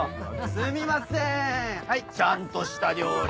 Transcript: すみませんはいちゃんとした料理。